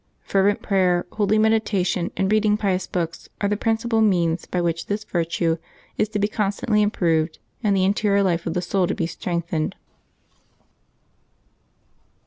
Fervent prayer, holy medita tion, and reading pious books, are the principal means by which this virtue is to be constantly improved, and the interior life of the soul to be strengthened.